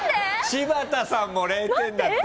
柴田さんも０点だって。